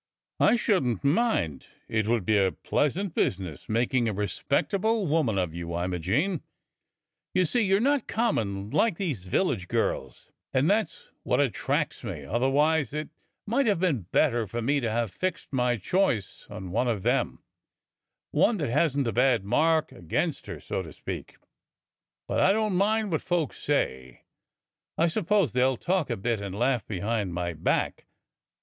"I shouldn't mind — it would be a pleasant business making a respectable woman of you, Imogene. You see, you're not common like these village girls, and that's what attracts me; otherwise, it might have been better for me to have fixed my choice on one of them: one that hasn't a bad mark against her, so to speak. But I don't mind what folk say. I suppose they'll talk a bit and laugh behind my back.